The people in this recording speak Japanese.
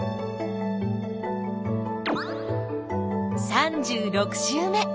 ３６週目。